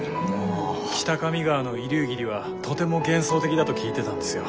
北上川の移流霧はとても幻想的だと聞いてたんですよ。